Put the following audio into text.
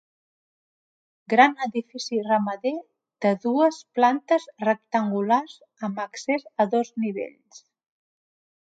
Gran edifici ramader de dues plantes rectangulars amb accés a dos nivells.